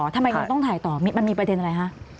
ทำไมเราต้องถ่ายต่อมันมีประเด็นอะไรคะ